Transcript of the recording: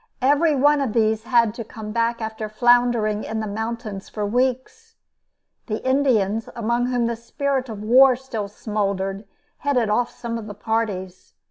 Every one of these had to come back after floundering in the mountains for weeks. The Indians, among whom the spirit of war still smouldered, headed off some of the parties.